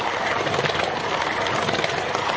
พร้อมทุกสิทธิ์